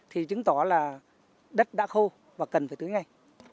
thì chứng tỏ là đất đã khô và cần phải tưới ngay